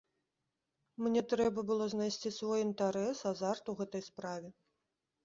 Мне трэба было знайсці свой інтарэс, азарт ў гэтай справе.